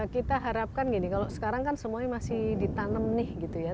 kita harapkan gini kalau sekarang kan semuanya masih ditanam nih gitu ya